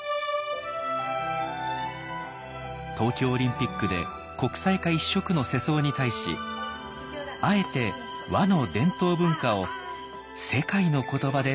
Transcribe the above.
東京オリンピックで国際化一色の世相に対しあえて和の伝統文化を世界の言葉で伝えました。